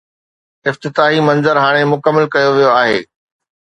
افتتاحي منظر هاڻي مڪمل ڪيو ويو آهي.